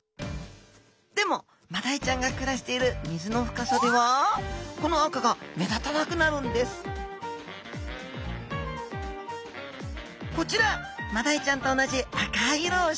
でもマダイちゃんが暮らしている水の深さではこの赤が目立たなくなるんですこちらマダイちゃんと同じ赤い色をしたエビスダイちゃん。